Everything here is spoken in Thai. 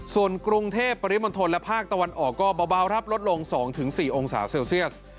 ส่วนกรุงเทพปริมณฑลและภาคตะวันออกก็เบาครับลดลง๒๔องศาเซลเซียส